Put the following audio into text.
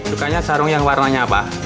dukanya sarung yang warnanya apa